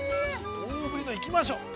大ぶりのいきましょう。